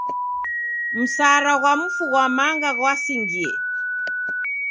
Msara ghwa mfu ghwa manga ghwasingie.